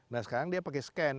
nah sekarang dia pakai scan